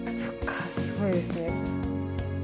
そっかすごいですね。